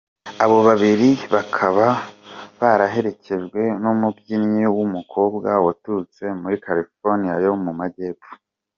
Abo babiri bakaba baraherekejwe n’umubyinnyi w’umukobwa waturutse muri California yo mu Majyepfo.